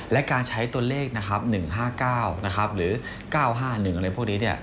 และการใช้ตัวเลขนะครับ๑๕๙หรือ๙๕๑อะไรพวกนี้